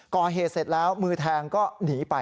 ก่อเหตุเสร็จแล้วมือแทงก็หนีไป